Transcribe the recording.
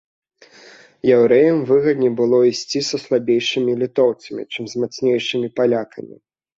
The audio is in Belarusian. Яўрэям выгадней было ісці са слабейшымі літоўцамі, чым з мацнейшымі палякамі.